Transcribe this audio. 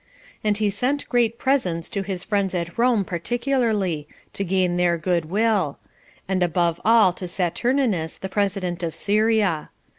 And he sent great presents to his friends at Rome particularly, to gain their good will; and above all to Saturninus, the president of Syria.